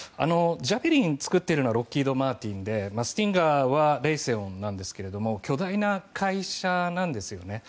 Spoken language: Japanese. ジャベリンを作っているのはロッキード・マーチン社でスティンガーはレイセオンなんですが巨大な会社なんですよね。